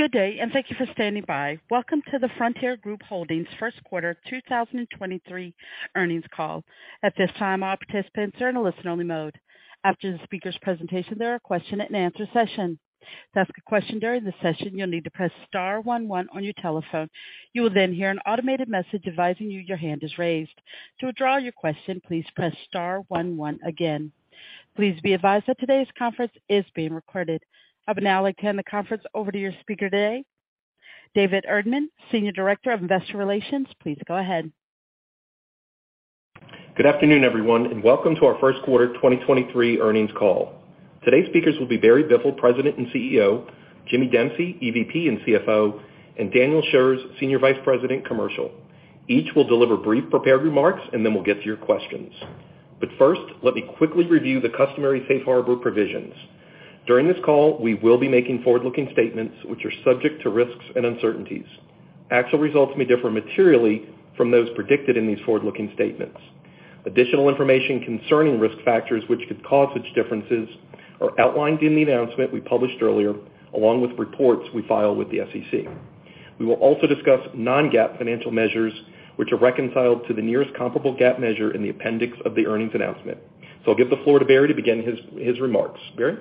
Good day, and thank you for standing by. Welcome to the Frontier Group Holdings First Quarter 2023 Earnings Call. At this time, all participants are in a listen only mode. After the speaker's presentation, there are a question and answer session. To ask a question during the session, you'll need to press star one one on your telephone. You will then hear an automated message advising you your hand is raised. To withdraw your question, please press star one one again. Please be advised that today's conference is being recorded. I would now like to hand the conference over to your speaker today, David Erdman, Senior Director of Investor Relations. Please go ahead. Good afternoon, everyone, and welcome to our first quarter 2023 earnings call. Today's speakers will be Barry Biffle, President and CEO, Jimmy Dempsey, EVP and CFO, and Daniel Shurz, Senior Vice President of Commercial. Each will deliver brief prepared remarks, and then we'll get to your questions. First, let me quickly review the customary safe harbor provisions. During this call, we will be making forward-looking statements which are subject to risks and uncertainties. Actual results may differ materially from those predicted in these forward-looking statements. Additional information concerning risk factors which could cause such differences are outlined in the announcement we published earlier, along with reports we file with the SEC. We will also discuss non-GAAP financial measures which are reconciled to the nearest comparable GAAP measure in the appendix of the earnings announcement. I'll give the floor to Barry to begin his remarks. Barry.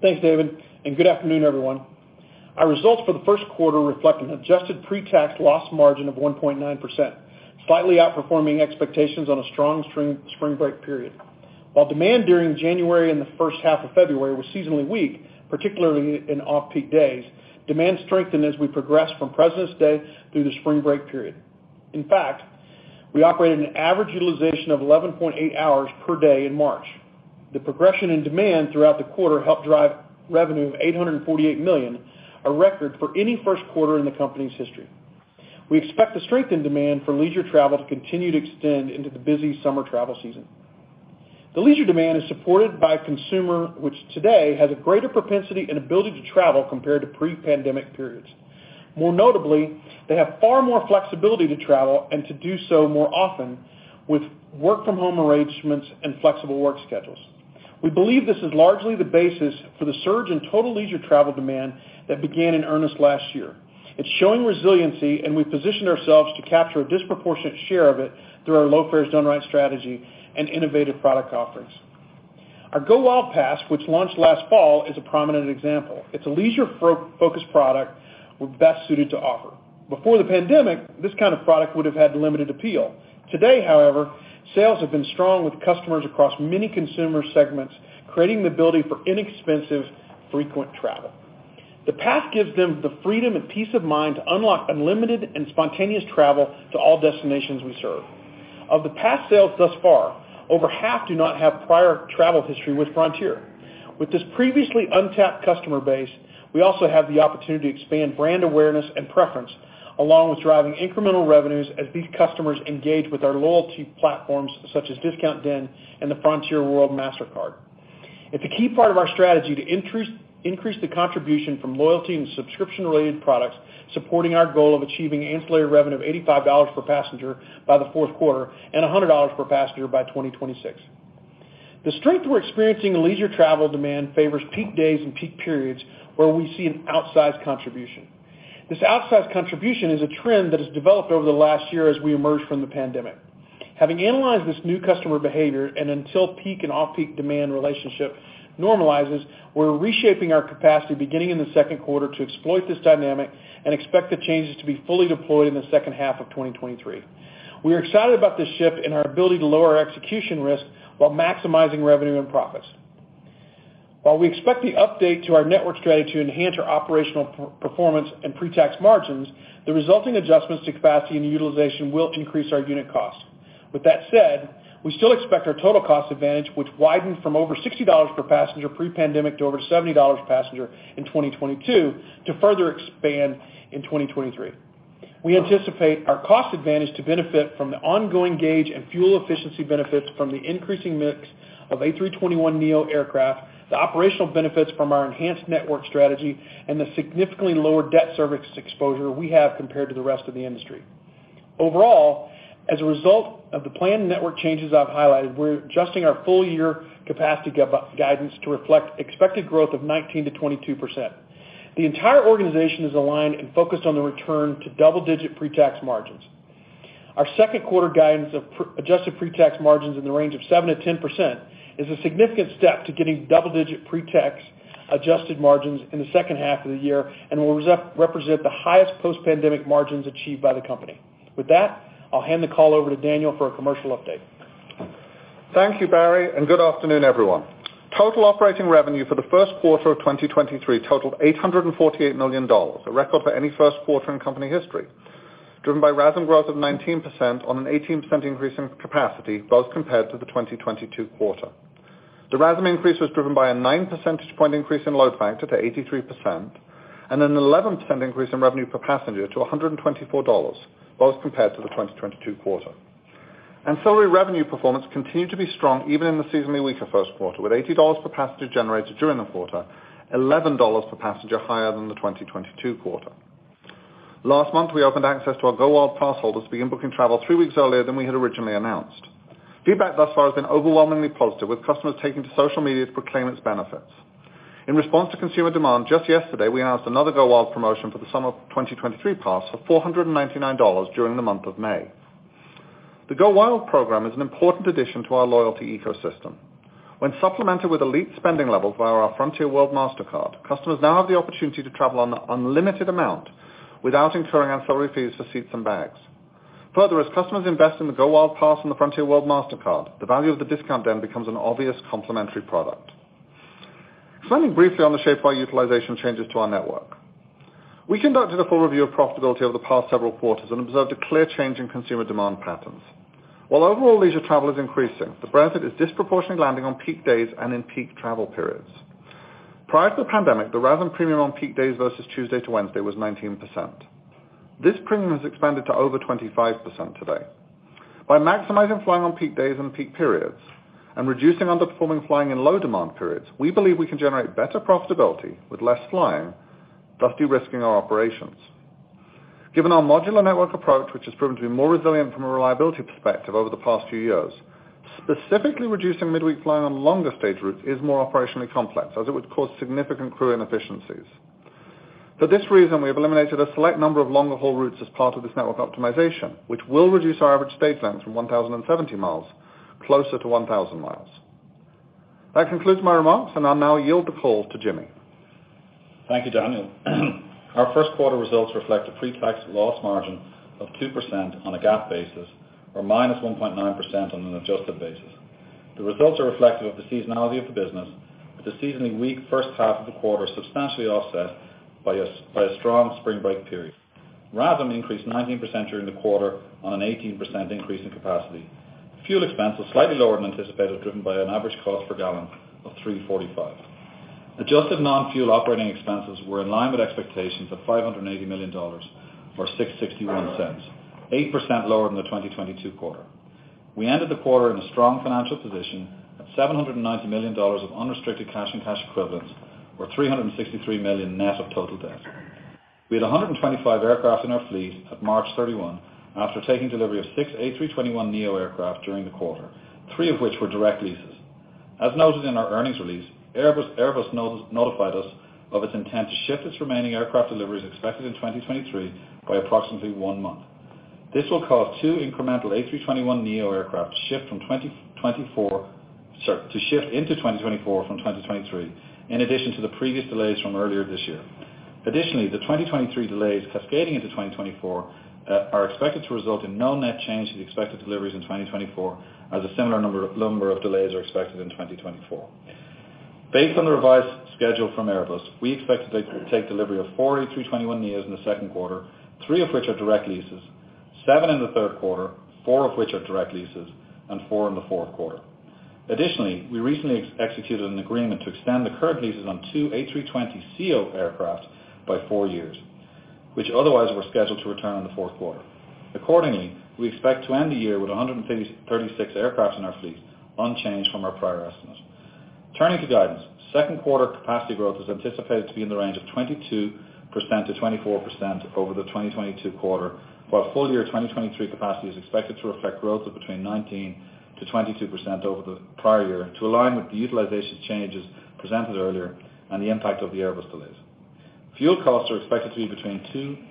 Thanks, David. Good afternoon, everyone. Our results for the first quarter reflect an adjusted pre-tax loss margin of 1.9%, slightly outperforming expectations on a strong spring break period. While demand during January and the first half of February was seasonally weak, particularly in off-peak days, demand strengthened as we progressed from President's Day through the spring break period. In fact, we operated an average utilization of 11.8 hours per day in March. The progression in demand throughout the quarter helped drive revenue of $848 million, a record for any first quarter in the company's history. We expect the strength in demand for leisure travel to continue to extend into the busy summer travel season. The leisure demand is supported by consumer, which today has a greater propensity and ability to travel compared to pre-pandemic periods. More notably, they have far more flexibility to travel and to do so more often with work from home arrangements and flexible work schedules. We believe this is largely the basis for the surge in total leisure travel demand that began in earnest last year. It's showing resiliency. We've positioned ourselves to capture a disproportionate share of it through our Low Fares Done Right strategy and innovative product offerings. Our GoWild! Pass, which launched last fall, is a prominent example. It's a leisure-focused product we're best suited to offer. Before the pandemic, this kind of product would have had limited appeal. Today, however, sales have been strong with customers across many consumer segments, creating the ability for inexpensive, frequent travel. The pass gives them the freedom and peace of mind to unlock unlimited and spontaneous travel to all destinations we serve. Of the pass sales thus far, over half do not have prior travel history with Frontier. With this previously untapped customer base, we also have the opportunity to expand brand awareness and preference, along with driving incremental revenues as these customers engage with our loyalty platforms such as Discount Den and the Frontier World Mastercard. It's a key part of our strategy to increase the contribution from loyalty and subscription-related products, supporting our goal of achieving ancillary revenue of $85 per passenger by the fourth quarter and $100 per passenger by 2026. The strength we're experiencing in leisure travel demand favors peak days and peak periods where we see an outsized contribution. This outsized contribution is a trend that has developed over the last year as we emerge from the pandemic. Having analyzed this new customer behavior and until peak and off-peak demand relationship normalizes, we're reshaping our capacity beginning in the second quarter to exploit this dynamic and expect the changes to be fully deployed in the second half of 2023. We are excited about this shift and our ability to lower our execution risk while maximizing revenue and profits. While we expect the update to our network strategy to enhance our operational performance and pre-tax margins, the resulting adjustments to capacity and utilization will increase our unit costs. With that said, we still expect our total cost advantage, which widened from over $60 per passenger pre-pandemic to over $70 per passenger in 2022, to further expand in 2023. We anticipate our cost advantage to benefit from the ongoing gauge and fuel efficiency benefits from the increasing mix of A321neo aircraft, the operational benefits from our enhanced network strategy, and the significantly lower debt service exposure we have compared to the rest of the industry. Overall, as a result of the planned network changes I've highlighted, we're adjusting our full year capacity guidance to reflect expected growth of 19%-22%. The entire organization is aligned and focused on the return to double-digit pre-tax margins. Our second quarter guidance of adjusted pre-tax margins in the range of 7%-10% is a significant step to getting double-digit pre-tax adjusted margins in the second half of the year and will represent the highest post-pandemic margins achieved by the company. With that, I'll hand the call over to Daniel for a commercial update. Thank you, Barry, and good afternoon, everyone. Total operating revenue for the first quarter of 2023 totaled $848 million, a record for any first quarter in company history, driven by RASM growth of 19% on an 18% increase in capacity, both compared to the 2022 quarter. The RASM increase was driven by a 9 percentage point increase in load factor to 83% and an 11% increase in revenue per passenger to $124, both compared to the 2022 quarter. Ancillary revenue performance continued to be strong even in the seasonally weaker first quarter, with $80 per passenger generated during the quarter, $11 per passenger higher than the 2022 quarter. Last month, we opened access to our GoWild! passholders to begin booking travel three weeks earlier than we had originally announced. Feedback thus far has been overwhelmingly positive, with customers taking to social media to proclaim its benefits. In response to consumer demand, just yesterday, we announced another GoWild! promotion for the summer of 2023 pass of $499 during the month of May. The GoWild! program is an important addition to our loyalty ecosystem. When supplemented with Elite spending levels via our Frontier World Mastercard, customers now have the opportunity to travel on unlimited amount without incurring ancillary fees for seats and bags. Further, as customers invest in the GoWild! Pass and the Frontier World Mastercard, the value of the Discount Den becomes an obvious complementary product. Spending briefly on the shape by utilization changes to our network. We conducted a full review of profitability over the past several quarters and observed a clear change in consumer demand patterns. While overall leisure travel is increasing, the bracket is disproportionately landing on peak days and in peak travel periods. Prior to the pandemic, the RASM premium on peak days versus Tuesday to Wednesday was 19%. This premium has expanded to over 25% today. By maximizing flying on peak days and peak periods and reducing underperforming flying in low demand periods, we believe we can generate better profitability with less flying, thus de-risking our operations. Given our modular network approach, which has proven to be more resilient from a reliability perspective over the past two years, specifically reducing midweek flying on longer stage routes is more operationally complex, as it would cause significant crew inefficiencies. For this reason, we have eliminated a select number of longer-haul routes as part of this network optimization, which will reduce our average stage length from 1,070 miles closer to 1,000 miles. That concludes my remarks, and I'll now yield the call to Jimmy. Thank you, Daniel. Our first quarter results reflect a pre-tax loss margin of 2% on a GAAP basis, or minus 1.9% on an adjusted basis. The results are reflective of the seasonality of the business, with the seasonally weak first half of the quarter substantially offset by a strong spring break period. RASM increased 19% during the quarter on an 18% increase in capacity. Fuel expenses slightly lower than anticipated, driven by an average cost per gallon of $3.45. Adjusted non-fuel operating expenses were in line with expectations of $580 million, or $0.0661, 8% lower than the 2022 quarter. We ended the quarter in a strong financial position of $790 million of unrestricted cash and cash equivalents, or $363 million net of total debt. We had 125 aircraft in our fleet at March 31 after taking delivery of six A321neo aircraft during the quarter, three of which were direct leases. As noted in our earnings release, Airbus notified us of its intent to shift its remaining aircraft deliveries expected in 2023 by approximately one month. This will cause two incremental A321neo aircraft to shift into 2024 from 2023, in addition to the previous delays from earlier this year. Additionally, the 2023 delays cascading into 2024 are expected to result in no net change to the expected deliveries in 2024, as a similar number of delays are expected in 2024. Based on the revised schedule from Airbus, we expect to take delivery of four A321neos in the second quarter, three of which are direct leases, seven in the third quarter, four of which are direct leases, and four in the fourth quarter. Additionally, we recently executed an agreement to extend the current leases on two A320ceo aircraft by four years, which otherwise were scheduled to return in the fourth quarter. Accordingly, we expect to end the year with 136 aircraft in our fleet, unchanged from our prior estimate. Turning to guidance, second quarter capacity growth is anticipated to be in the range of 22%-24% over the 2022 quarter, while full year 2023 capacity is expected to reflect growth of between 19%-22% over the prior year to align with the utilization changes presented earlier and the impact of the Airbus delays. Fuel costs are expected to be between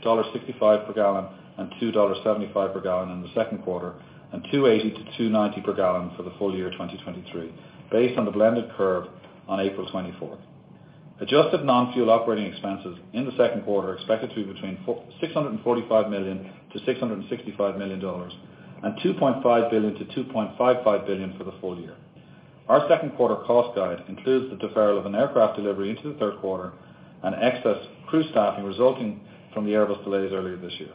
$2.65 per gallon and $2.75 per gallon in the second quarter and $2.80-$2.90 per gallon for the full year 2023, based on the blended curve on April 24th. Adjusted non-fuel operating expenses in the second quarter are expected to be between $645 million to $665 million and $2.5 billion-$2.55 billion for the full year. Our second quarter cost guide includes the deferral of an aircraft delivery into the third quarter and excess crew staffing resulting from the Airbus delays earlier this year.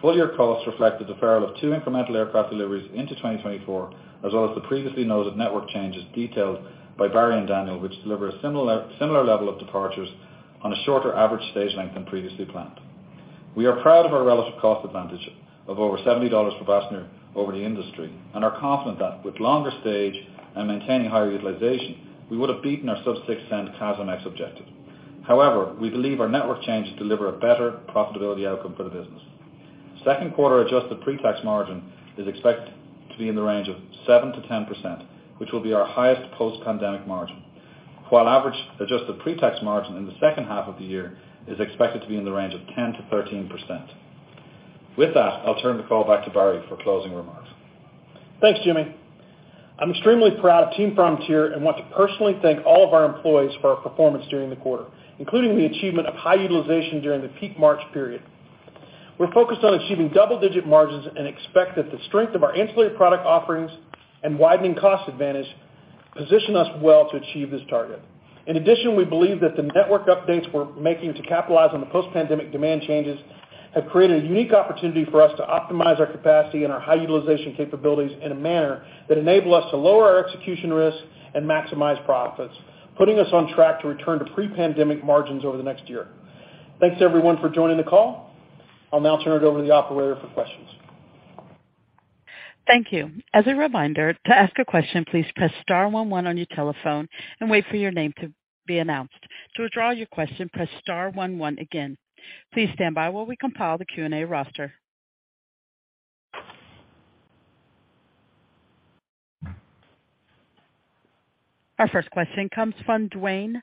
Full year costs reflect the deferral of two incremental aircraft deliveries into 2024, as well as the previously noted network changes detailed by Barry and Daniel, which deliver a similar level of departures on a shorter average stage length than previously planned. We are proud of our relative cost advantage of over $70 per passenger over the industry and are confident that with longer stage and maintaining higher utilization, we would have beaten our sub $0.06 CASM ex objective. However, we believe our network changes deliver a better profitability outcome for the business. Second quarter adjusted pre-tax margin is expected to be in the range of 7%-10%, which will be our highest post-pandemic margin, while average adjusted pre-tax margin in the second half of the year is expected to be in the range of 10%-13%. With that, I'll turn the call back to Barry for closing remarks. Thanks, Jimmy. I'm extremely proud of Team Frontier and want to personally thank all of our employees for our performance during the quarter, including the achievement of high utilization during the peak March period. We're focused on achieving double-digit margins and expect that the strength of our ancillary product offerings and widening cost advantage position us well to achieve this target. In addition, we believe that the network updates we're making to capitalize on the post-pandemic demand changes have created a unique opportunity for us to optimize our capacity and our high utilization capabilities in a manner that enable us to lower our execution risks and maximize profits, putting us on track to return to pre-pandemic margins over the next year. Thanks everyone for joining the call. I'll now turn it over to the operator for questions. Thank you. As a reminder to ask a question, please press star one one on your telephone and wait for your name to be announced. To withdraw your question, press star one one again. Please stand by while we compile the Q&A roster. Our first question comes from Duane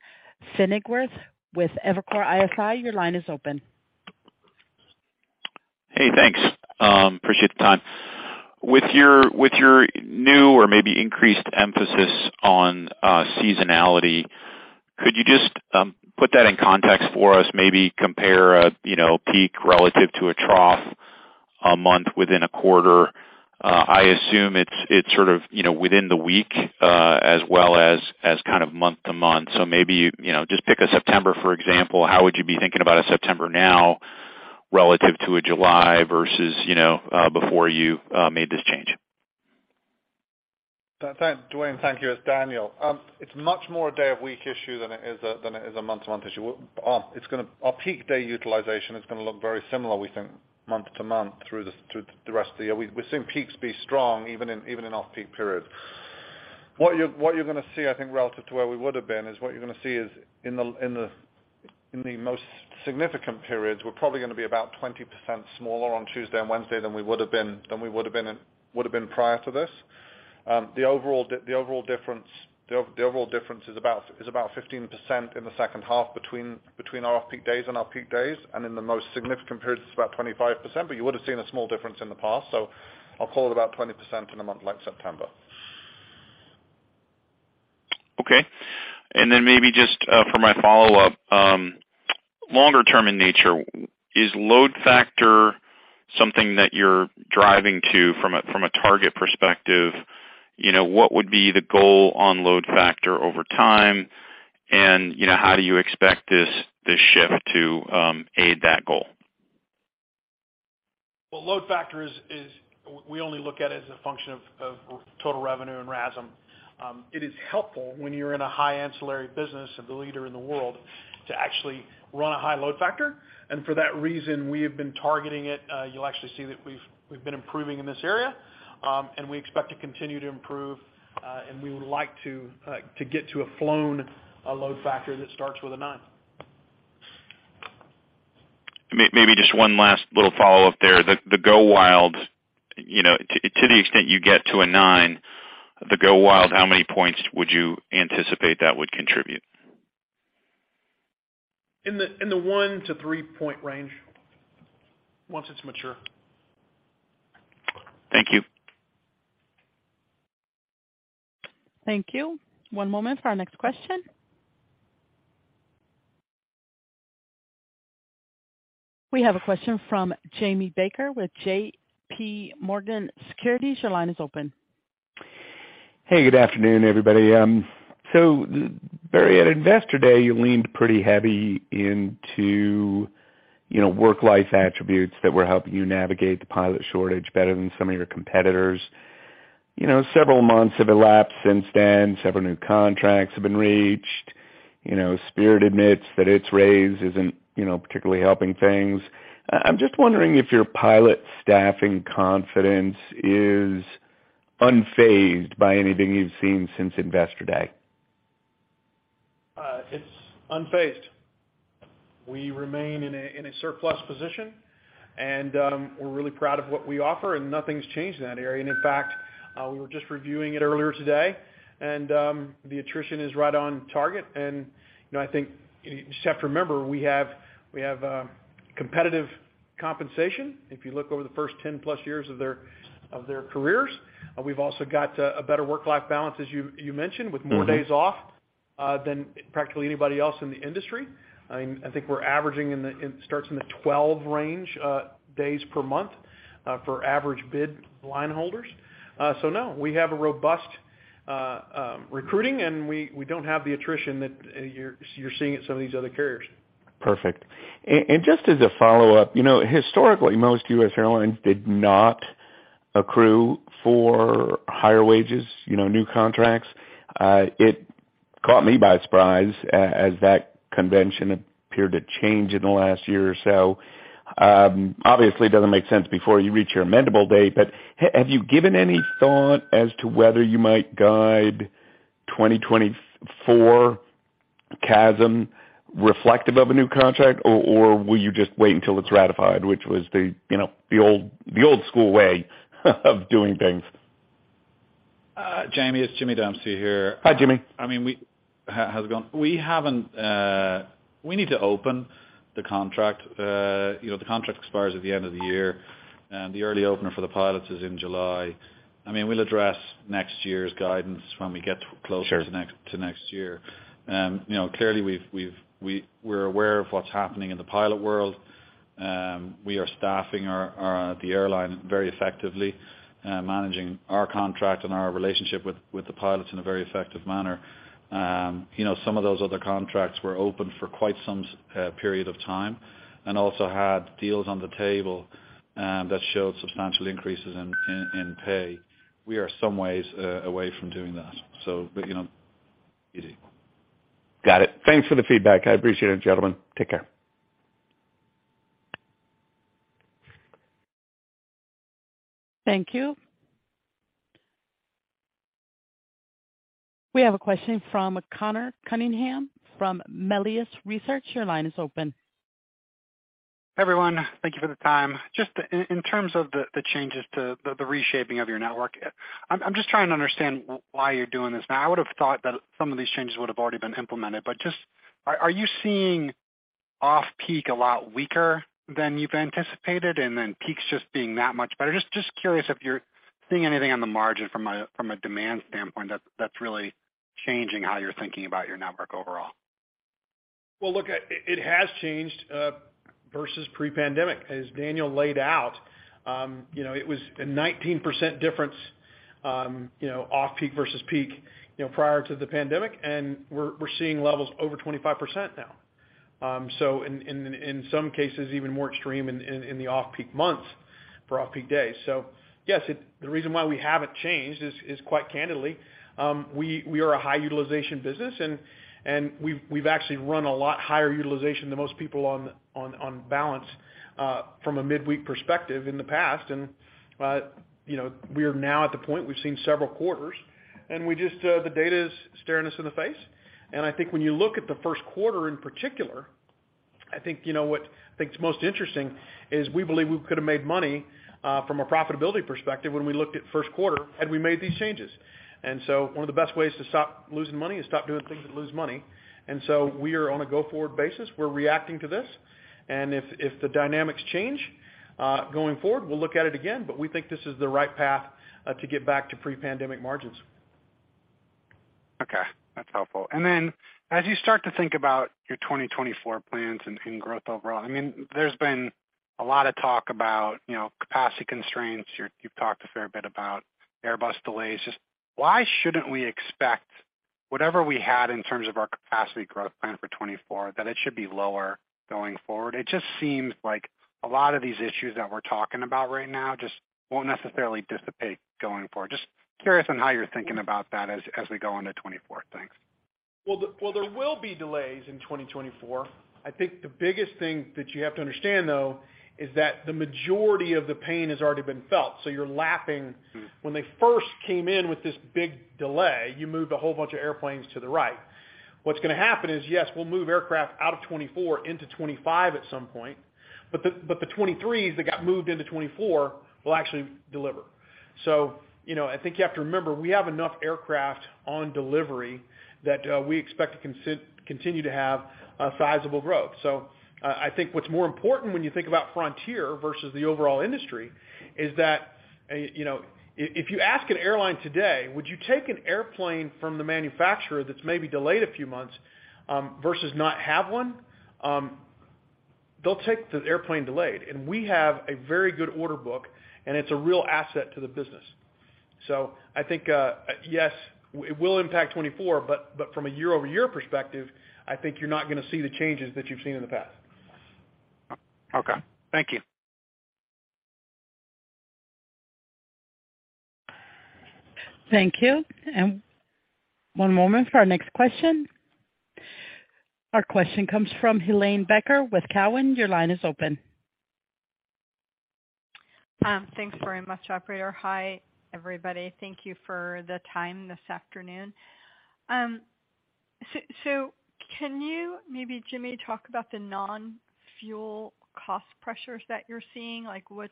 Pfennigwerth with Evercore ISI. Your line is open. Hey, thanks. Appreciate the time. With your, with your new or maybe increased emphasis on seasonality, could you just put that in context for us, maybe compare a, you know, peak relative to a trough a month within a quarter? I assume it's sort of, you know, within the week, as well as kind of month to month. Maybe, you know, just pick a September, for example. How would you be thinking about a September now relative to a July versus, you know, before you made this change? Duane, thank you. It's Daniel. It's much more a day of week issue than it is a, than it is a month to month issue. Our peak day utilization is gonna look very similar, we think month to month through the, through the rest of the year. We're seeing peaks be strong even in, even in off-peak periods. What you're gonna see, I think, relative to where we would have been is what you're gonna see is in the most significant periods, we're probably gonna be about 20% smaller on Tuesday and Wednesday than we would have been prior to this. The overall difference is about 15% in the second half between our off-peak days and our peak days, and in the most significant periods it's about 25%. You would have seen a small difference in the past. I'll call it about 20% in a month like September. Okay. Maybe just for my follow-up. Longer term in nature, is load factor something that you're driving to from a target perspective? You know, what would be the goal on load factor over time? You know, how do you expect this shift to aid that goal? Well, load factor is, we only look at it as a function of total revenue and RASM. It is helpful when you're in a high ancillary business of the leader in the world to actually run a high load factor. For that reason, we have been targeting it. You'll actually see that we've been improving in this area, and we expect to continue to improve, and we would like to get to a flown load factor that starts with a nine. Maybe just one last little follow-up there. The GoWild!, you know, to the extent you get to a nine, the GoWild!, how many points would you anticipate that would contribute? In the one to three point range once it's mature. Thank you. Thank you. One moment for our next question. We have a question from Jamie Baker with JPMorgan Securities. Your line is open. Hey, good afternoon, everybody. Barry at Investor Day, you leaned pretty heavy into, you know, work-life attributes that were helping you navigate the pilot shortage better than some of your competitors. You know, several months have elapsed since then. Several new contracts have been reached. You know, Spirit admits that its raise isn't, you know, particularly helping things. I'm just wondering if your pilot staffing confidence is unfazed by anything you've seen since Investor Day? It's unfazed. We remain in a surplus position, and we're really proud of what we offer, and nothing's changed in that area. In fact, we were just reviewing it earlier today and the attrition is right on target. You know, I think you just have to remember, we have competitive compensation. If you look over the first 10+ years of their careers. We've also got a better work-life balance, as you mentioned, with more days off than practically anybody else in the industry. I mean, I think we're averaging in the it starts in the 12 range days per month for average bid line holders. No, we have a robust recruiting, and we don't have the attrition that you're seeing at some of these other carriers. Perfect. Just as a follow-up, you know, historically, most U.S. airlines did not accrue for higher wages, you know, new contracts. It caught me by surprise as that convention appeared to change in the last year or so. Obviously it doesn't make sense before you reach your amendable date, but have you given any thought as to whether you might guide 2024 CASM reflective of a new contract, or will you just wait until it's ratified, which was the, you know, the old school way of doing things? Jamie, it's Jimmy Dempsey here. Hi, Jimmy. I mean, how's it going? We haven't. We need to open the contract. You know, the contract expires at the end of the year, the early opener for the pilots is in July. I mean, we'll address next year's guidance when we get closer to next, to next year. you know, clearly we're aware of what's happening in the pilot world. We are staffing the airline very effectively, managing our contract and our relationship with the pilots in a very effective manner. you know, some of those other contracts were open for quite some period of time and also had deals on the table that showed substantial increases in pay. We are some ways away from doing that you know, easy. Got it. Thanks for the feedback. I appreciate it, gentlemen. Take care. Thank you. We have a question from Conor Cunningham from Melius Research. Your line is open. Everyone, thank you for the time. Just in terms of the changes to the reshaping of your network. I'm just trying to understand why you're doing this now. I would have thought that some of these changes would have already been implemented, but just are you seeing off-peak a lot weaker than you've anticipated, and then peaks just being that much better? Just curious if you're seeing anything on the margin from a demand standpoint that's really changing how you're thinking about your network overall? Well, look, it has changed versus pre-pandemic. As Daniel laid out, you know, it was a 19% difference, you know, off peak versus peak, you know, prior to the pandemic, and we're seeing levels over 25% now. So in some cases, even more extreme in some cases, even more extreme in the off-peak months for off-peak days. So yes, the reason why we haven't changed is quite candidly, we are a high utilization business and we've actually run a lot higher utilization than most people on balance from a midweek perspective in the past. You know, we are now at the point, we've seen several quarters, and we just, the data is staring us in the face. I think when you look at the first quarter in particular, I think, you know, what I think is most interesting is we believe we could have made money from a profitability perspective when we looked at first quarter, had we made these changes. One of the best ways to stop losing money is stop doing things that lose money. We are on a go-forward basis. We're reacting to this. If the dynamics change going forward, we'll look at it again. We think this is the right path to get back to pre-pandemic margins. Okay, that's helpful. Then as you start to think about your 2024 plans and growth overall, I mean, there's been a lot of talk about, you know, capacity constraints. you've talked a fair bit about Airbus delays. Just why shouldn't we expect whatever we had in terms of our capacity growth plan for 2024, that it should be lower going forward? It just seems like a lot of these issues that we're talking about right now just won't necessarily dissipate going forward. Just curious on how you're thinking about that as we go into 2024. Thanks. There will be delays in 2024. I think the biggest thing that you have to understand, though, is that the majority of the pain has already been felt. You're lapping. When they first came in with this big delay, you moved a whole bunch of airplanes to the right. What's gonna happen is, yes, we'll move aircraft out of 24 into 25 at some point, but the 23s that got moved into 24 will actually deliver. You know, I think you have to remember, we have enough aircraft on delivery that we expect to continue to have sizable growth. I think what's more important when you think about Frontier versus the overall industry is that, you know, if you ask an airline today, would you take an airplane from the manufacturer that's maybe delayed a few months, versus not have one, they'll take the airplane delayed. We have a very good order book, and it's a real asset to the business. I think, yes, it will impact 2024, but from a year-over-year perspective, I think you're not gonna see the changes that you've seen in the past. Okay. Thank you. Thank you. One moment for our next question. Our question comes from Helane Becker with Cowen. Your line is open. Thanks very much, operator. Hi, everybody. Thank you for the time this afternoon. Can you maybe, Jimmy, talk about the non-fuel cost pressures that you're seeing, like which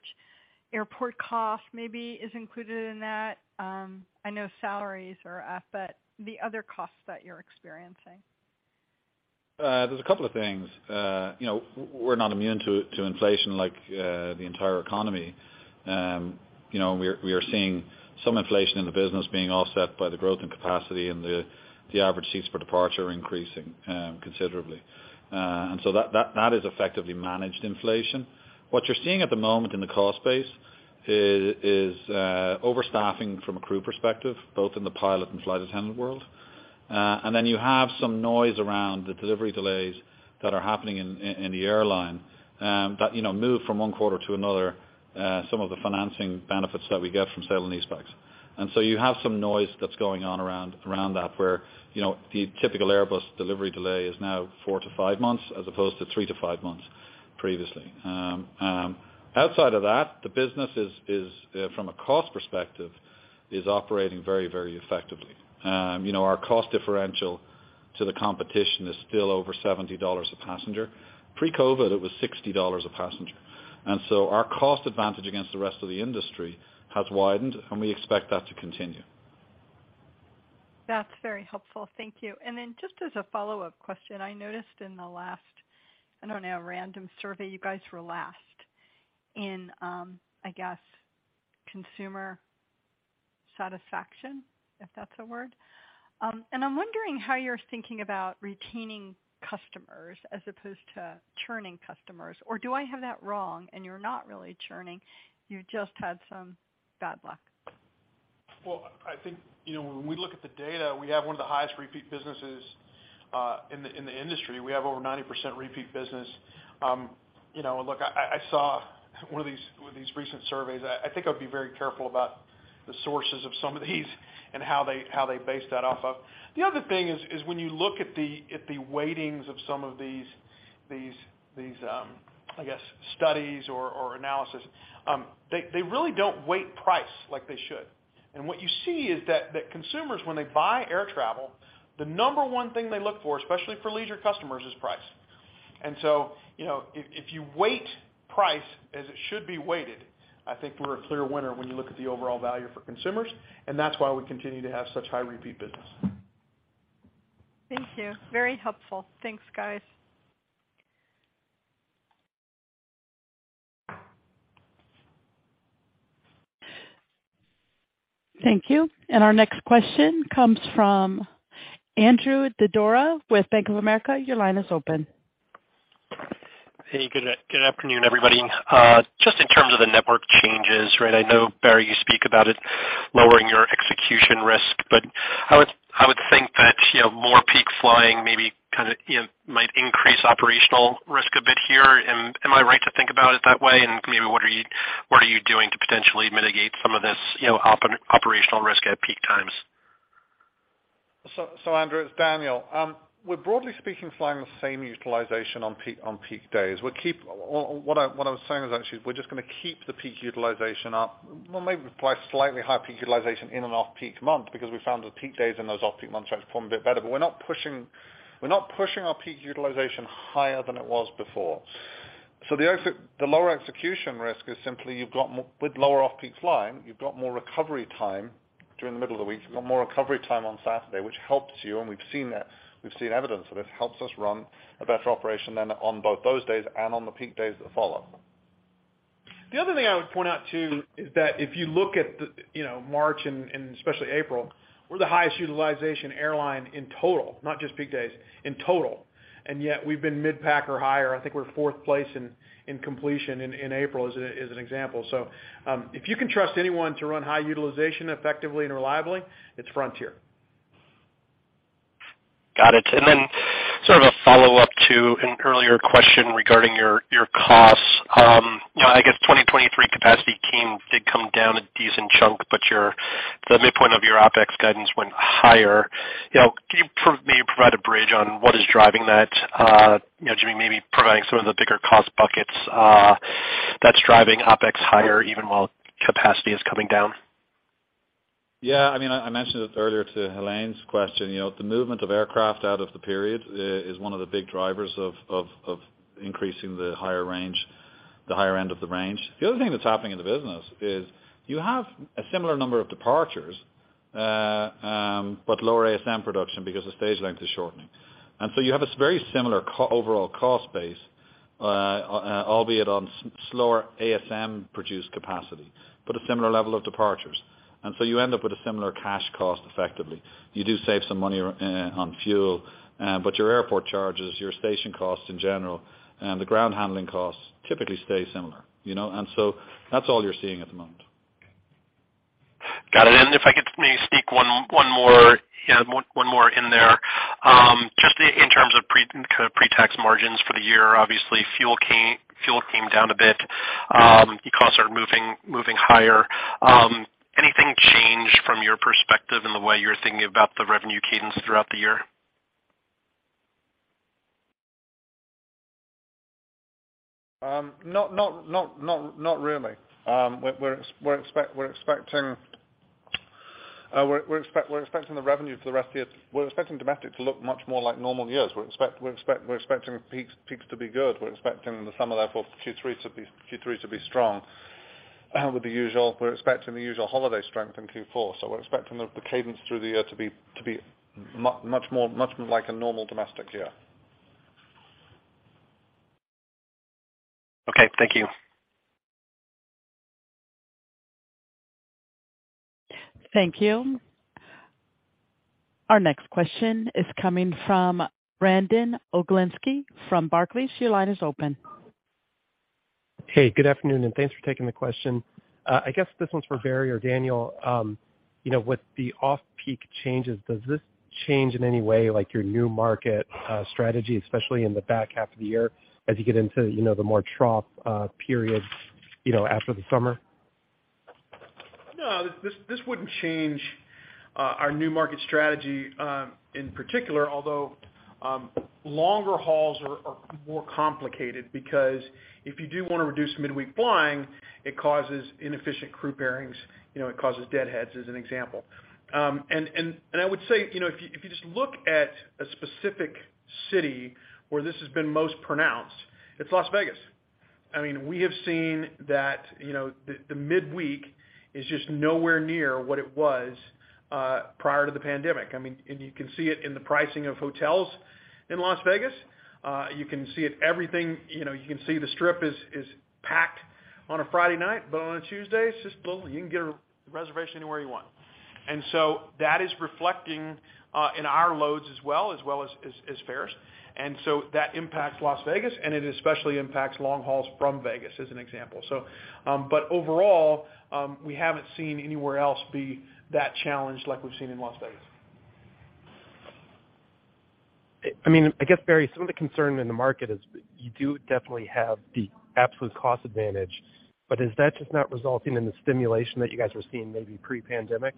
airport cost maybe is included in that? I know salaries are up, but the other costs that you're experiencing. There's a couple of things. You know, we're not immune to inflation like the entire economy. You know, we are seeing some inflation in the business being offset by the growth in capacity and the average seats per departure increasing considerably. That is effectively managed inflation. What you're seeing at the moment in the cost base is overstaffing from a crew perspective, both in the pilot and flight attendant world. Then you have some noise around the delivery delays that are happening in the airline, that, you know, move from one quarter to another, some of the financing benefits that we get from sale and leasebacks. You have some noise that's going on around that, where, you know, the typical Airbus delivery delay is now four to five months, as opposed to three to five months previously. Outside of that, the business is, from a cost perspective, is operating very effectively. You know, our cost differential to the competition is still over $70 a passenger. Pre-COVID, it was $60 a passenger. Our cost advantage against the rest of the industry has widened, and we expect that to continue. That's very helpful. Thank you. Just as a follow-up question, I noticed in the last, I don't know, random survey, you guys were last in, I guess, consumer satisfaction, if that's a word. I'm wondering how you're thinking about retaining customers as opposed to churning customers. Do I have that wrong and you're not really churning, you just had some bad luck? Well, I think, you know, when we look at the data, we have one of the highest repeat businesses, in the industry. We have over 90% repeat business. you know, look, I saw one of these recent surveys. I think I would be very careful about. The sources of some of these and how they, how they base that off of. The other thing is when you look at the weightings of some of these, I guess, studies or analysis, they really don't weight price like they should. What you see is that consumers, when they buy air travel, the number one thing they look for, especially for leisure customers, is price. You know, if you weight price as it should be weighted, I think we're a clear winner when you look at the overall value for consumers, and that's why we continue to have such high repeat business. Thank you. Very helpful. Thanks, guys. Thank you. Our next question comes from Andrew Didora with Bank of America. Your line is open. Hey, good afternoon, everybody. Just in terms of the network changes, right, I know, Barry, you speak about it lowering your execution risk. I would think that, you know, more peak flying maybe kind of, you know, might increase operational risk a bit here. Am I right to think about it that way? Maybe what are you doing to potentially mitigate some of this, you know, operational risk at peak times? Andrew, it's Daniel. We're broadly speaking, flying the same utilization on peak days. What I was saying is actually, we're just gonna keep the peak utilization up. Well, maybe apply slightly higher peak utilization in and off-peak month because we found the peak days and those off-peak months transform a bit better. We're not pushing, we're not pushing our peak utilization higher than it was before. The lower execution risk is simply you've got with lower off-peak flying, you've got more recovery time during the middle of the week. You've got more recovery time on Saturday, which helps you, and we've seen that. We've seen evidence of this, helps us run a better operation than on both those days and on the peak days that follow. The other thing I would point out, too, is that if you look at the, you know, March and, especially April, we're the highest utilization airline in total, not just peak days, in total. Yet we've been mid-pack or higher. I think we're fourth place in completion in April as an example. If you can trust anyone to run high utilization effectively and reliably, it's Frontier. Got it. Then sort of a follow-up to an earlier question regarding your costs. You know, I guess 2023 capacity did come down a decent chunk, but the midpoint of your OpEx guidance went higher. You know, can you maybe provide a bridge on what is driving that? You know, Jimmy maybe providing some of the bigger cost buckets, that's driving OpEx higher even while capacity is coming down. Yeah, I mean, I mentioned it earlier to Helane's question. You know, the movement of aircraft out of the period, is one of the big drivers of increasing the higher range, the higher end of the range. The other thing that's happening in the business is you have a similar number of departures, but lower ASM production because the stage length is shortening. You have this very similar overall cost base, albeit on slower ASM produced capacity, but a similar level of departures. You end up with a similar cash cost effectively. You do save some money, on fuel, but your airport charges, your station costs in general, and the ground handling costs typically stay similar, you know. That's all you're seeing at the moment. Got it. If I could maybe sneak one more, yeah, one more in there. Just in terms of kind of pretax margins for the year. Obviously, fuel came down a bit. Costs are moving higher. Anything changed from your perspective in the way you're thinking about the revenue cadence throughout the year? Not really. We're expecting the revenue for the rest of the year. We're expecting domestic to look much more like normal years. We're expecting peaks to be good. We're expecting the summer, therefore, Q3 to be strong. We're expecting the usual holiday strength in Q4. We're expecting the cadence through the year to be much more like a normal domestic year. Okay. Thank you. Thank you. Our next question is coming from Brandon Oglenski from Barclays. Your line is open. Hey, good afternoon, and thanks for taking the question. I guess this one's for Barry or Daniel. You know, with the off-peak changes, does this change in any way, like, your new market, strategy, especially in the back half of the year as you get into, you know, the more trough, periods, you know, after the summer? No, this wouldn't change our new market strategy in particular, although longer hauls are more complicated because if you do wanna reduce midweek flying, it causes inefficient crew pairings, you know, it causes deadheads, as an example. I would say, you know, if you just look at a specific city where this has been most pronounced, it's Las Vegas. I mean, we have seen that, you know, the midweek is just nowhere near what it was prior to the pandemic. You can see it in the pricing of hotels in Las Vegas. You can see it, everything, you know, you can see the strip is packed on a Friday night, but on a Tuesday, it's just little. You can get a reservation anywhere you want. That is reflecting in our loads as well, as well as fares. That impacts Las Vegas, and it especially impacts long hauls from Vegas, as an example. But overall, we haven't seen anywhere else be that challenged like we've seen in Las Vegas. I mean, I guess, Barry, some of the concern in the market is you do definitely have the absolute cost advantage, but is that just not resulting in the stimulation that you guys were seeing maybe pre-pandemic?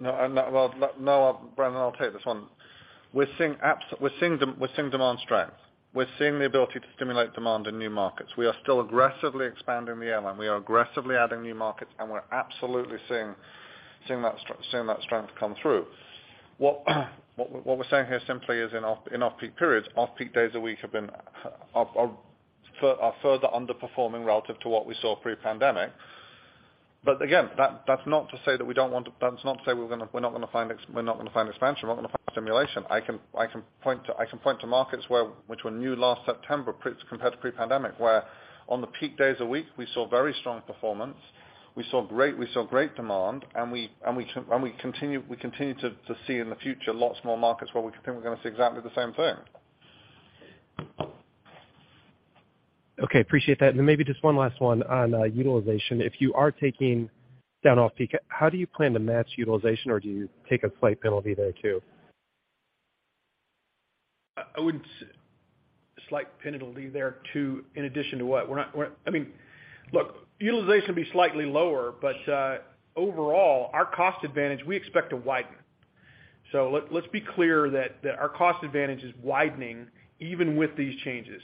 No, that, well, no, Brandon, I'll take this one. We're seeing demand strength. We're seeing the ability to stimulate demand in new markets. We are still aggressively expanding the airline. We are aggressively adding new markets, and we're absolutely seeing that strength come through. What we're saying here simply is in off-peak periods, off-peak days a week have been, are further underperforming relative to what we saw pre-pandemic. Again, that's not to say we're not gonna find expansion, we're not gonna find stimulation. I can point to markets where, which were new last September compared to pre-pandemic, where on the peak days a week, we saw very strong performance. We saw great demand and we continue to see in the future, lots more markets where we can, we're going to see exactly the same thing. Okay. Appreciate that. Then maybe just one last one on utilization. If you are taking down off peak, how do you plan to match utilization or do you take a slight penalty there too? In addition to what? We're not, I mean, look, utilization will be slightly lower, but overall our cost advantage we expect to widen. Let's be clear that our cost advantage is widening even with these changes.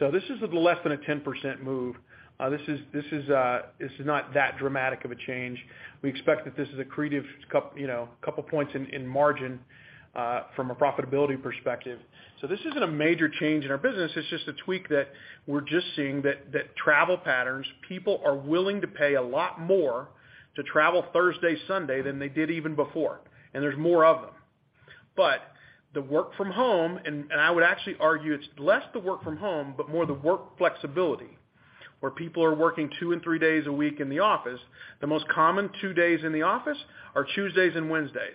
This is less than a 10% move. This is not that dramatic of a change. We expect that this is accretive you know, couple points in margin from a profitability perspective. This isn't a major change in our business. It's just a tweak that we're just seeing that travel patterns, people are willing to pay a lot more to travel Thursday, Sunday than they did even before, and there's more of them. The work from home and I would actually argue it's less the work from home, but more the work flexibility, where people are working two and three days a week in the office. The most common two days in the office are Tuesdays and Wednesdays.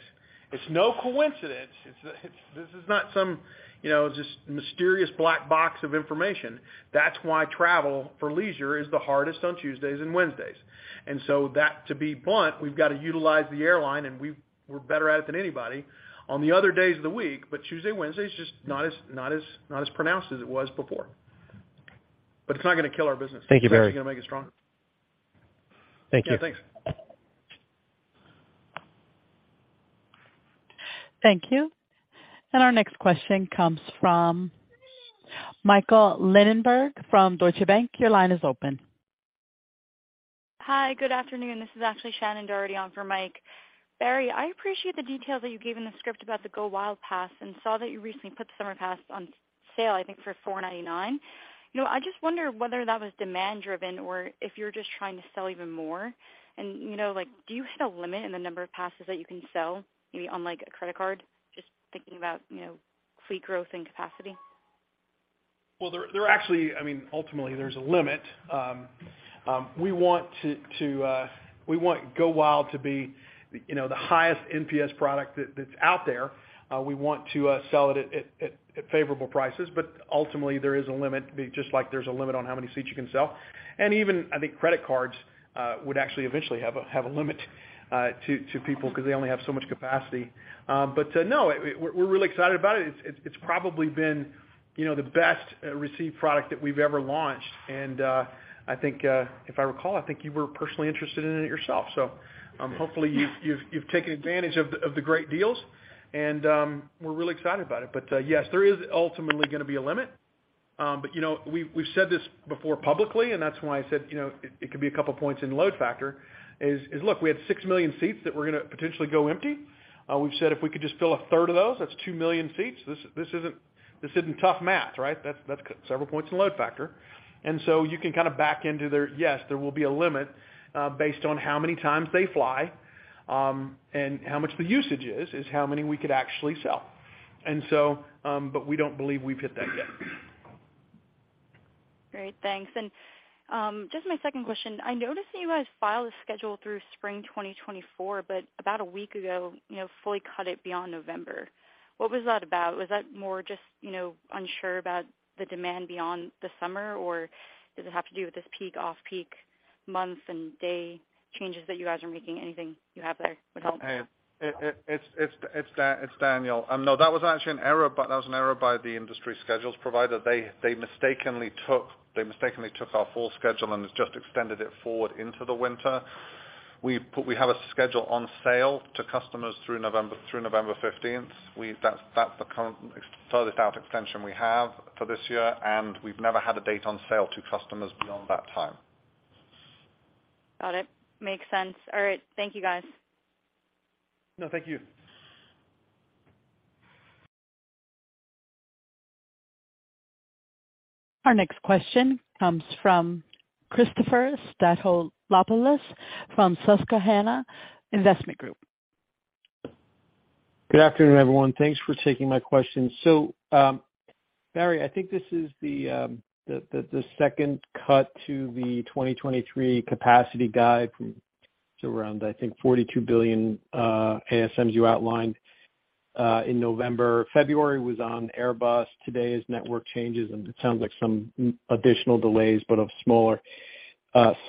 It's no coincidence. It's this is not some, you know, just mysterious black box of information. That's why travel for leisure is the hardest on Tuesdays and Wednesdays. That, to be blunt, we've got to utilize the airline and we're better at it than anybody on the other days of the week, but Tuesday, Wednesday is just not as pronounced as it was before. It's not gonna kill our business. Thank you, Barry. It's actually gonna make it stronger. Thank you. Yeah, thanks. Thank you. Our next question comes from Michael Linenberg from Deutsche Bank. Your line is open. Hi, good afternoon. This is actually Shannon Doherty on for Mike. Barry, I appreciate the details that you gave in the script about the GoWild! Pass and saw that you recently put the summer pass on sale, I think, for $499. You know, I just wonder whether that was demand driven or if you're just trying to sell even more and, you know, like, do you hit a limit in the number of passes that you can sell maybe on like a credit card, just thinking about, you know, fleet growth and capacity? Well, there are actually, I mean, ultimately, there's a limit. We want to, we want GoWild! to be, you know, the highest NPS product that's out there. We want to sell it at favorable prices, but ultimately, there is a limit just like there's a limit on how many seats you can sell. Even, I think credit cards would actually eventually have a limit to people because they only have so much capacity. No, we're really excited about it. It's probably been, you know, the best received product that we've ever launched. I think, if I recall, I think you were personally interested in it yourself, so, hopefully you've taken advantage of the, of the great deals and, we're really excited about it. Yes, there is ultimately going to be a limit. You know, we've said this before publicly, and that's why I said, you know, it could be a couple points in load factor is look, we had six million seats that were going to potentially go empty. We've said if we could just fill a third of those, that's two million seats. This isn't tough math, right? That's several points in load factor. You can kind of back into there. Yes, there will be a limit, based on how many times they fly, and how much the usage is how many we could actually sell. We don't believe we've hit that yet. Great. Thanks. Just my second question. I noticed that you guys filed a schedule through spring 2024, but about a week ago, you know, fully cut it beyond November. What was that about? Was that more just, you know, unsure about the demand beyond the summer? Or does it have to do with this peak, off-peak month and day changes that you guys are making? Anything you have there would help. It's Daniel. No, that was actually an error by the industry schedules provider. They mistakenly took our full schedule and just extended it forward into the winter. We have a schedule on sale to customers through November 15th. That's the current furthest out extension we have for this year, and we've never had a date on sale to customers beyond that time. Got it. Makes sense. All right. Thank you guys. No, thank you. Our next question comes from Christopher Stathoulopoulos from Susquehanna International Group. Good afternoon, everyone. Thanks for taking my question. Barry, I think this is the second cut to the 2023 capacity guide from around, I think 42 billion ASMs you outlined in November. February was on Airbus. Today is network changes, and it sounds like some additional delays, but of smaller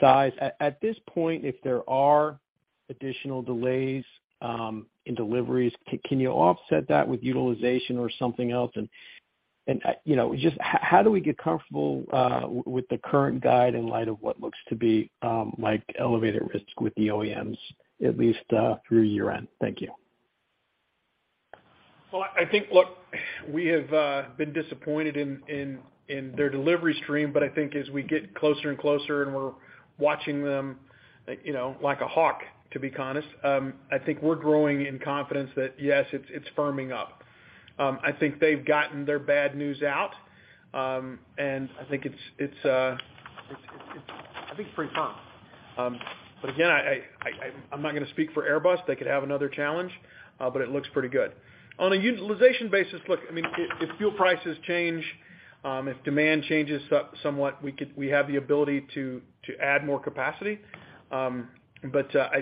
size. At this point, if there are additional delays in deliveries, can you offset that with utilization or something else? You know, just how do we get comfortable with the current guide in light of what looks to be like elevated risks with the OEMs at least through year-end? Thank you. Well, I think, look, we have been disappointed in their delivery stream, but I think as we get closer and closer and we're watching them, you know, like a hawk, to be honest, I think we're growing in confidence that, yes, it's firming up. I think they've gotten their bad news out. I think it's pretty firm. Again, I'm not gonna speak for Airbus. They could have another challenge, but it looks pretty good. On a utilization basis, look, I mean, if fuel prices change, if demand changes somewhat, we have the ability to add more capacity. I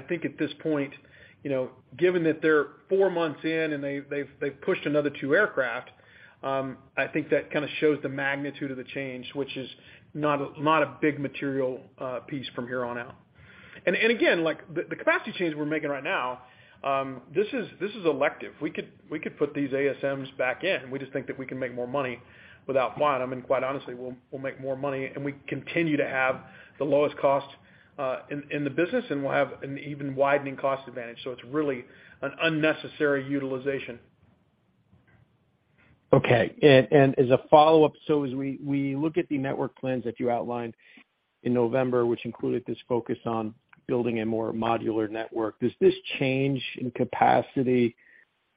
think at this point, you know, given that they're four months in and they've pushed another two aircraft, I think that kinda shows the magnitude of the change, which is not a big material piece from here on out. Again, like the capacity changes we're making right now, this is elective. We could put these ASMs back in. We just think that we can make more money without flying them. Quite honestly, we'll make more money and we continue to have the lowest cost in the business, and we'll have an even widening cost advantage. It's really an unnecessary utilization. Okay. As a follow-up, as we look at the network plans that you outlined in November, which included this focus on building a more modular network, does this change in capacity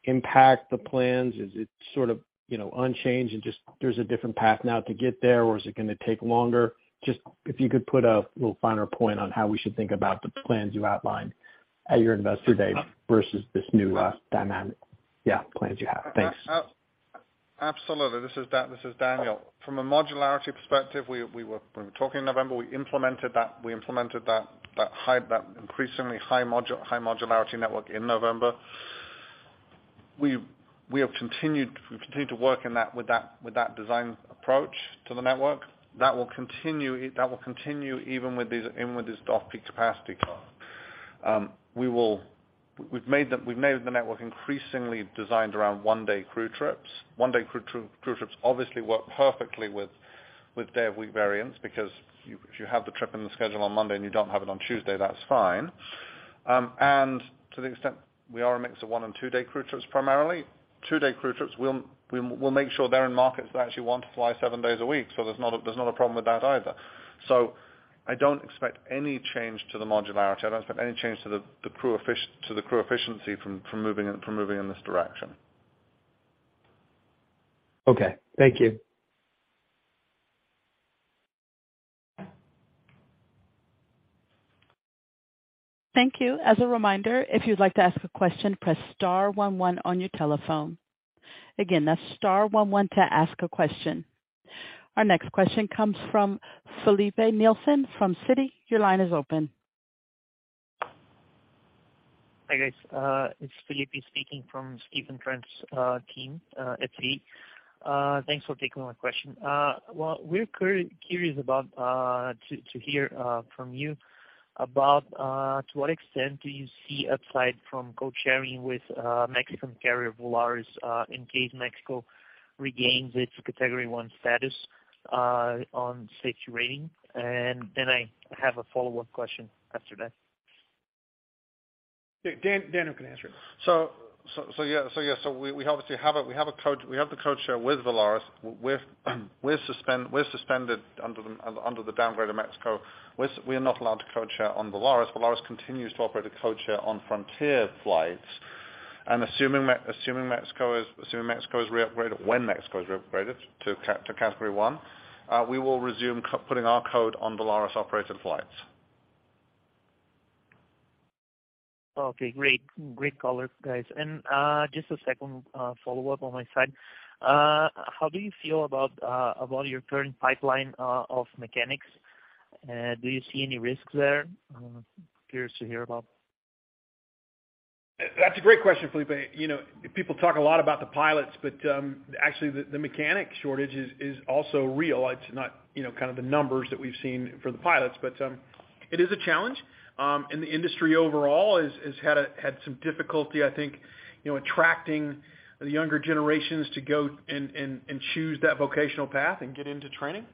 impact the plans? Is it sort of, you know, unchanged and just there's a different path now to get there, or is it gonna take longer? Just if you could put a little finer point on how we should think about the plans you outlined at your investor day versus this new dynamic. Yeah, plans you have. Thanks. Absolutely. This is Daniel. From a modularity perspective, when we were talking in November, we implemented that. We implemented that increasingly high modularity network in November. We have continued, we continue to work in that with that design approach to the network. That will continue. That will continue even with this off-peak capacity cut. We've made the network increasingly designed around one-day crew trips. One-day crew trips obviously work perfectly with day of week variance because if you have the trip in the schedule on Monday and you don't have it on Tuesday, that's fine. To the extent we are a mix of one and two-day crew trips, primarily, two-day crew trips, we'll make sure they're in markets that actually want to fly seven days a week. There's not a problem with that either. I don't expect any change to the modularity. I don't expect any change to the crew efficiency from moving in this direction. Okay. Thank you. Thank you. As a reminder, if you'd like to ask a question, press star one one on your telephone. Again, that's star one one to ask a question. Our next question comes from Filipe Nielsen from Citi. Your line is open. Hi, guys. It's Felipe speaking from Stephen Trent's team at Citi. Thanks for taking my question. Well, we're curious about to hear from you about to what extent do you see upside from code sharing with Mexican carrier Volaris, in case Mexico regains its category one status on safety rating? I have a follow-up question after that. Yeah. Dan, Daniel can answer it. Yeah, we obviously have a codeshare with Volaris. We're suspended under the downgrade of Mexico. We are not allowed to codeshare on Volaris. Volaris continues to operate a codeshare on Frontier flights. Assuming Mexico is re-upgraded, when Mexico is re-upgraded to category one, we will resume putting our code on Volaris-operated flights. Okay, great. Great color, guys. Just a second follow-up on my side. How do you feel about your current pipeline of mechanics? Curious to hear about. That's a great question, Felipe. You know, people talk a lot about the pilots, but actually the mechanic shortage is also real. It's not, you know, kind of the numbers that we've seen for the pilots, but it is a challenge. The industry overall has had some difficulty, I think, you know, attracting the younger generations to go and choose that vocational path and get into training.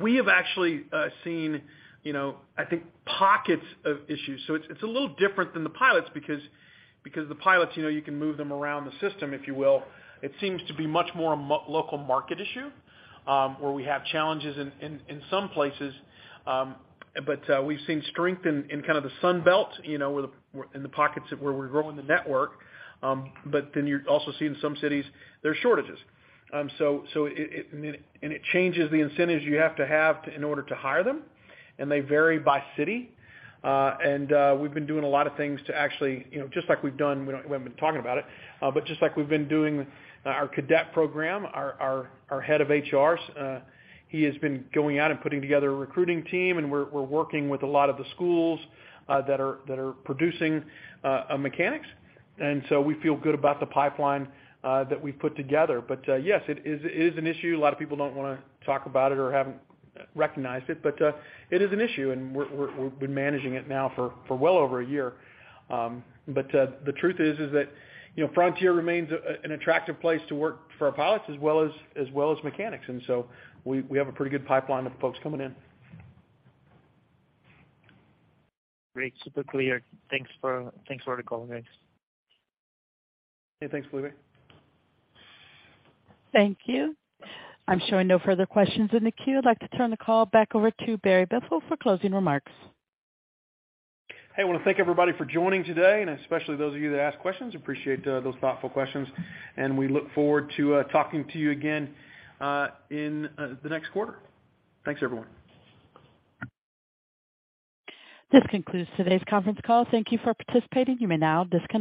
We have actually seen, you know, I think pockets of issues. So it's a little different than the pilots because the pilots, you know, you can move them around the system, if you will. It seems to be much more a local market issue, where we have challenges in some places. We've seen strength in kind of the Sun Belt, you know, in the pockets of where we're growing the network. You also see in some cities there are shortages. It changes the incentives you have to in order to hire them, and they vary by city. We've been doing a lot of things to actually, you know, just like we've done, we haven't been talking about it, but just like we've been doing with our cadet program. Our head of HR, he has been going out and putting together a recruiting team, and we're working with a lot of the schools that are producing mechanics. We feel good about the pipeline that we've put together. Yes, it is an issue. A lot of people don't wanna talk about it or haven't recognized it, but it is an issue and we're, we've been managing it now for well over a year. The truth is that, you know, Frontier remains an attractive place to work for our pilots as well as mechanics. We have a pretty good pipeline of folks coming in. Great. Super clear. Thanks for the call, guys. Yeah. Thanks, Filipe. Thank you. I'm showing no further questions in the queue. I'd like to turn the call back over to Barry Biffle for closing remarks. Hey, I wanna thank everybody for joining today, and especially those of you that asked questions. Appreciate those thoughtful questions, and we look forward to talking to you again in the next quarter. Thanks, everyone. This concludes today's conference call. Thank you for participating. You may now disconnect.